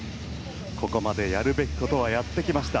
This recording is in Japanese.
ここまでやるべきことはやってきました。